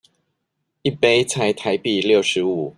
一杯才台幣六十五